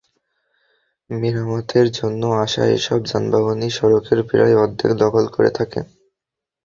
মেরামতের জন্য আসা এসব যানবাহনই সড়কের প্রায় অর্ধেক দখল করে থাকে।